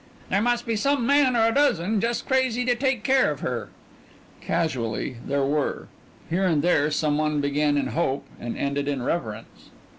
"There must be some man, or a dozen, just crazy to take care of her...." Casually there were. Here and there some one began in hope and ended in reverence.